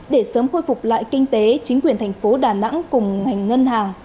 để sớm khôi phục lại kinh tế chính quyền thành phố đà nẵng cùng ngành ngân hàng